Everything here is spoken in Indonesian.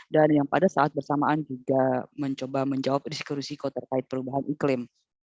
dan yang pada saat bersamaan juga mencoba menjawab risiko risiko terkait perubahan iklim